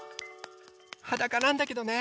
はだかなんだけどね！